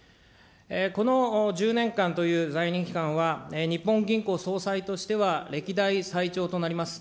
この１０年間という在任期間は、日本銀行総裁としては歴代最長となります。